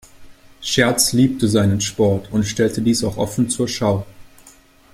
Scherz liebte seinen Sport und stellte dies auch offen zur Schau.